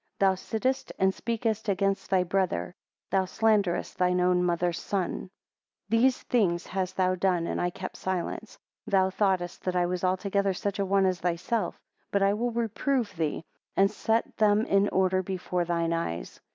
Thou sittest and speakest against thy brother; thou slanderest thine own mother's son. 12 These things hast thou done and I kept silence; thou thoughtest that I was altogether such a one as thyself: but I will reprove thee, and set them in order before thine eyes.